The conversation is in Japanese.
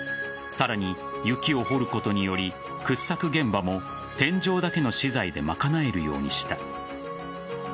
さらに雪を掘ることにより掘削現場も天井だけの資材で賄えるようにした。